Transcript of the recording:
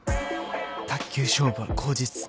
卓球勝負は口実